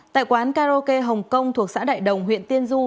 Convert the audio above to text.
tại quán karaoke hong kong thuộc xã đại đồng huyện tiên du